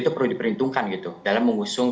itu perlu diperhitungkan gitu dalam mengusung